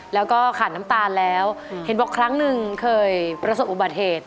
แล้วก็ขาดน้ำตาลแล้วเห็นบอกครั้งหนึ่งเคยประสบอุบัติเหตุ